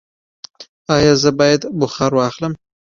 ایا زه باید بخار واخلم؟